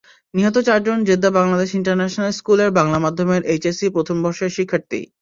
নিহত চারজন Jeddah Bangladesh international স্কুলের বাংলা মাধ্যমের এইচএসসি প্রথম বর্ষের শিক্ষার্থী।